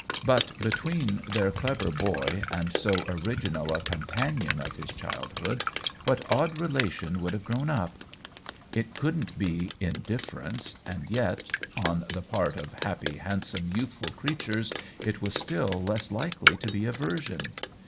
But between their clever boy and so orig inal a companion of his childhood what odd relation would have grown up ? It couldn't be in difference, and yet on the part of happy, handsome, youthful creatures it was still less likely to be aversion.